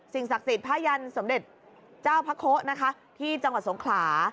ศักดิ์สิทธิ์พระยันสมเด็จเจ้าพระโคนะคะที่จังหวัดสงขลา